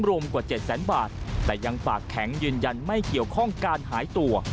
รวมกว่า๗แสนบาทแต่ยังปากแข็งยืนยันไม่เกี่ยวข้องการหายตัว